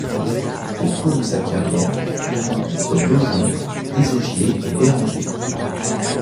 Au cours de sa carrière, il rencontre Laujon, Désaugiers et Béranger.